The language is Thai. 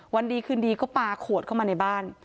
วันดีคืนดีก็ปลาขวดเข้ามาในบ้าน